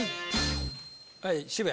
はい渋谷。